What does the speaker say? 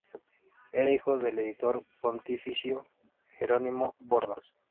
Era hijo del editor pontificio Jerónimo Bordas.